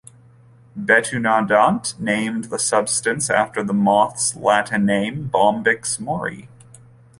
Butenandt named the substance after the moth's Latin name Bombyx mori.